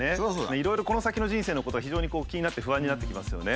いろいろこの先の人生のことが非常に気になって不安になってきますよね。